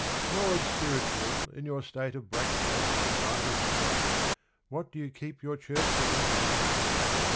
LORDS spiritual, in your state Of black copes and mitres great, What do you keep your church within